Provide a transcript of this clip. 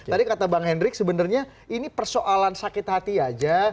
tadi kata bang hendrik sebenarnya ini persoalan sakit hati aja